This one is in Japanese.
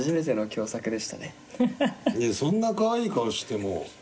いやそんなかわいい顔しても。